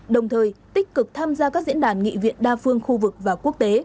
đồng thời tích cực tham gia các diễn đàn nghị viện đa phương khu vực và quốc tế